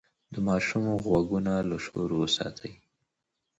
د ماشوم غوږونه له شور وساتئ.